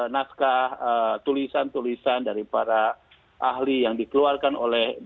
naskah tulisan tulisan dari para ahli yang dikeluarkan oleh